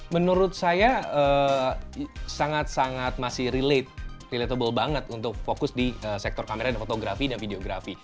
menurut saya sangat sangat masih relate relatable banget untuk fokus di sektor kamera dan fotografi dan videografi